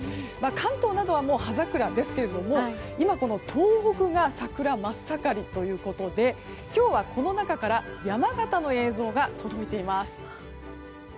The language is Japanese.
関東などはもう葉桜ですけども今、東北が桜真っ盛りということで今日はこの中から山形の映像が届いています。